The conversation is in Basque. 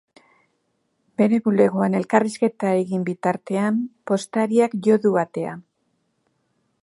Bere bulegoan elkarrizketa egin bitartean, postariak jo du atea.